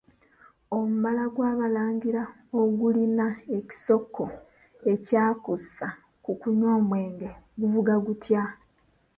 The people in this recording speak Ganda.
Omubala gw'Abalangira ogulina ekisoko ekyakuusa ku kunywa omwenge guvuga gutya?